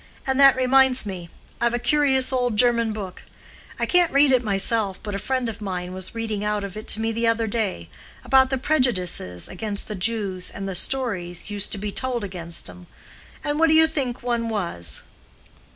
And that reminds me, I've a curious old German book—I can't read it myself, but a friend of mine was reading out of it to me the other day—about the prejudices against the Jews, and the stories used to be told against 'em, and what do you think one was?